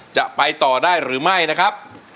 จะไปต่อได้หรือไม่นะครับ